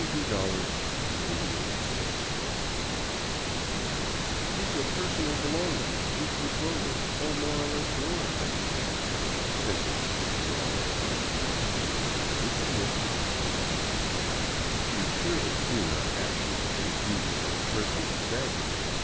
88 " These are personal belongings, chiefly clothing, all more or less worn,'' I began, scenting a long controversy. True, senor." " You surely do not ask us to pay duty on personal baggage